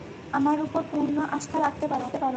আমার উপর পূর্ণ আস্থা রাখতে পার।